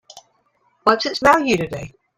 What's its value today?